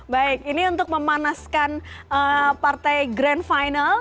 baik ini untuk memanaskan partai grand final